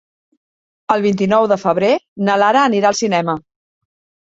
El vint-i-nou de febrer na Lara anirà al cinema.